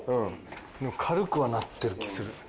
でも軽くはなってる気する。